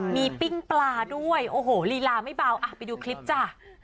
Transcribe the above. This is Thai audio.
มีปิ้งปลาด้วยโอ้โหลีลาไม่เบาอ่ะไปดูคลิปจ้ะ